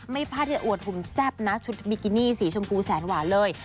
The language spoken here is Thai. พลาดที่อวดหุมแซ่บนะชุดบิกินี่สีชมพูแสนหวานเลย